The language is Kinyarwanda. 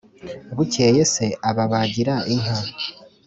bukeye se ababagira inka,